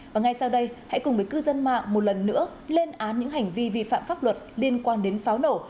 và ngay sau đây hãy cùng với cư dân mạng một lần nữa lên án những hành vi vi phạm pháp luật liên quan đến pháo nổ